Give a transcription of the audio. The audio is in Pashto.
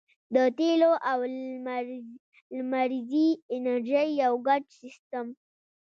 د تیلو او لمریزې انرژۍ یو ګډ سیستم